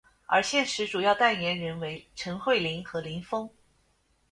而现时主要代言人为陈慧琳和林峰。